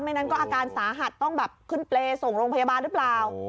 นั้นก็อาการสาหัสต้องแบบขึ้นเปรย์ส่งโรงพยาบาลหรือเปล่า